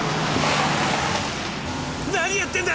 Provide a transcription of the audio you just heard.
何やってんだ！